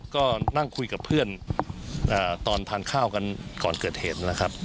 ก็นั่งคุยกับเพื่อนตอนทานข้าวกันก่อนเกิดเหตุนะครับ